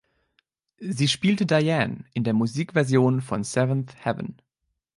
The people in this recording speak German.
Sie spielte Diane in der Musikversion von „Seventh Heaven“.